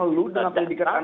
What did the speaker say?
bung noel itu menggunakan